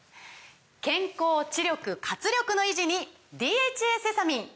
健康・知力・活力の維持に「ＤＨＡセサミン」！